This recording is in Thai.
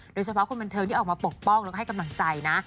โดยเฉพาะคนบันเทิงที่ออกมาปกป้องแล้วก็ให้กำลังใจนะ